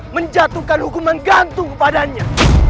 menjatuhkan hukuman gantung kepadanya